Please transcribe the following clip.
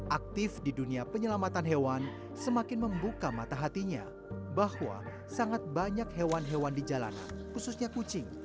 aktif di dunia penyelamatan hewan semakin membuka mata hatinya bahwa sangat banyak hewan hewan di jalanan khususnya kucing